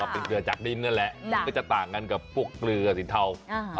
เป็นเกลือจากดินนั่นแหละมันก็จะต่างกันกับพวกเกลือสินเทา